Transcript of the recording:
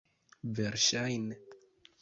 verŝajne